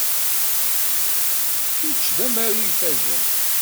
Kečč d amaru ifazen.